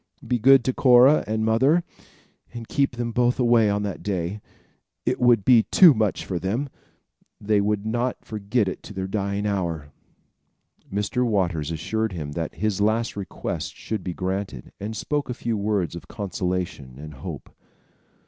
Be good to Cora and mother, and keep them both away on that day. It would be too much for them. They would not forget it to their dying hour." Mr. Waters assured him that his last requests should be granted, and spoke a few words of consolation and hope.